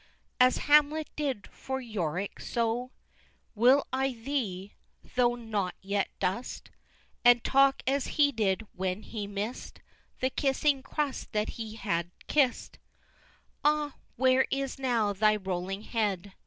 As Hamlet did for Yorick, so Will I for thee (though not yet dust), And talk as he did when he miss'd The kissing crust that he had kiss'd! IX. Ah, where is now thy rolling head!